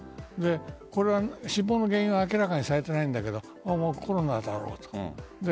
これは死亡の原因は明らかにされていないんだけどコロナだろうと。